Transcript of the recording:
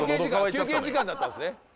休憩時間だったんすね。